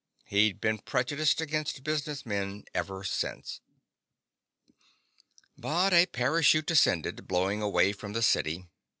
He'd been prejudiced against businessmen ever since. But a parachute descended, blowing away from the city.